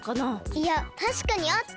いやたしかにあった！